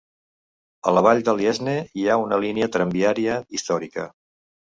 A la vall de l'Aisne hi ha una línia tramviària històrica.